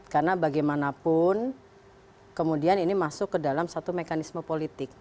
karena bagaimanapun kemudian ini masuk ke dalam satu mekanisme politik